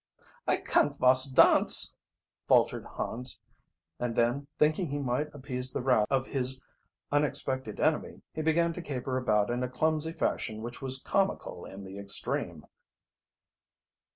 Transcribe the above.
"I can't vos dance!" faltered Hans, and then, thinking he might appease the wrath of his unexpected enemy he began to caper about in a clumsy fashion which was comical in the extreme.